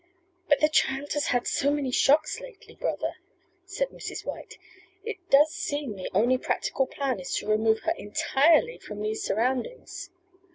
"But the child has had so many shocks lately, brother," said Mrs. White. "It does seem the only practical plan is to remove her entirely from these surroundings.